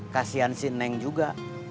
kasian si neng juga